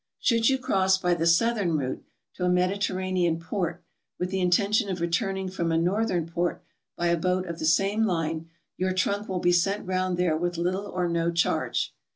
Should you cross by the southern route, to a Mediter ranean port, with the intention of returning from a northern port by a boat of the same line, your trunk will be sent round there with little or no charge.